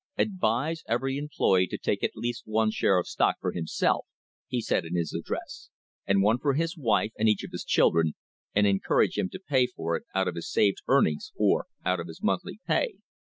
"Advise every employee to take at least one share of stock for himself," he said in his address, "and one for his wife and each of his children, and encourage him to pay for it out of his saved earnings or out of his monthly pay.